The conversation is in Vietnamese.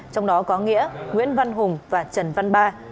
trong đó có nghĩa nguyễn văn hùng và trần văn ba